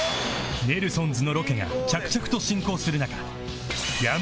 ネルソンズのロケが着々と進行する中